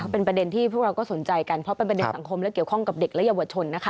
เป็นประเด็นที่พวกเราก็สนใจกันเพราะเป็นประเด็นสังคมและเกี่ยวข้องกับเด็กและเยาวชนนะคะ